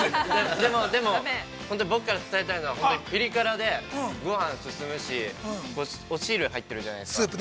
でもでも僕から伝えたいのはピリ辛で、ごはんが進むし、お汁入っているじゃないですか。